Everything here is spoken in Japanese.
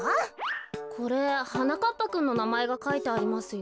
これはなかっぱくんのなまえがかいてありますよ。